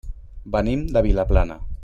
Venim de Vilaplana.